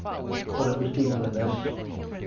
But it was deeper than this .